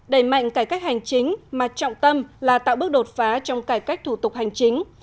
đẩy mạnh cải cách hành chính mà trọng tâm là tạo bước đột phá trong cải cách thủ tục hành chính